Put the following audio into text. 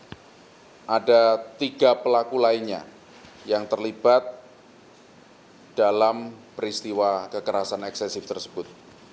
ada tiga pelaku lainnya yang terlibat dalam peristiwa kekerasan eksesif tersebut